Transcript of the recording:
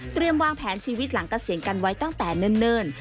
วางแผนชีวิตหลังเกษียณกันไว้ตั้งแต่เนิ่น